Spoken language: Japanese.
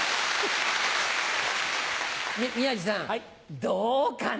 宮治さんどうかな。